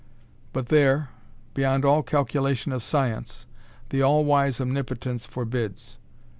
But there, beyond all calculation of Science, the all wise Omnipotence forbids.